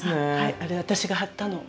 あれ私がはったの。